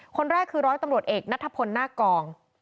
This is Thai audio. คนแรกคือร้อยตำรวจเอกนัทพลหน้ากอง